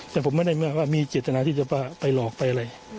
แต่ผมไม่ได้ว่ามีเจตนาที่จะไปหลอกไปอะไร